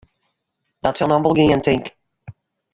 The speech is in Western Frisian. Dit sil noch wol gean, tink.